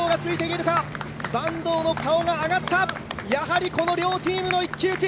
坂東の顔が上がった、やはりこの両チームの一騎打ち。